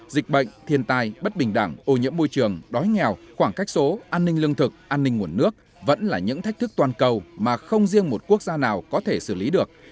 dịch bệnh thiên tai bất bình đẳng ô nhiễm môi trường đói nghèo khoảng cách số an ninh lương thực an ninh nguồn nước vẫn là những thách thức toàn cầu mà không riêng một quốc gia nào có thể xử lý được